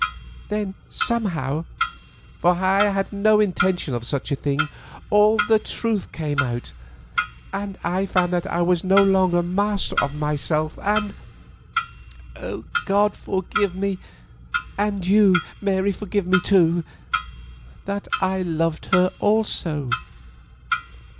Then somehow—for I had no intention of such a thing—all the truth came out, and I found that I was no longer master of myself, and—God forgive me! and you, Mary, forgive me, too—that I loved her also."